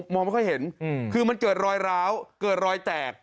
มองไม่ค่อยเห็นคือเจอร้อยร้าวเจอร้อยแตก